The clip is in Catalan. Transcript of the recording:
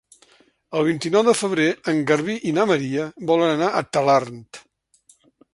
El vint-i-nou de febrer en Garbí i na Maria volen anar a Talarn.